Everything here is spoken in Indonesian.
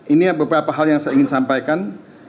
ini beberapa hal yang saya ingin sampaikan